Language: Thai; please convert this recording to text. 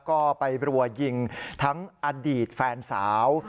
ก็ไปรัวยิงทั้งอดีตแฟนสาว